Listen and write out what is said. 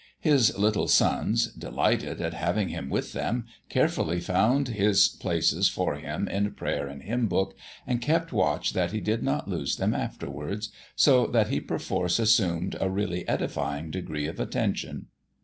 His little sons, delighted at having him with them, carefully found his places for him in prayer and hymnbook, and kept watch that he did not lose them afterwards, so that he perforce assumed a really edifying degree of attention.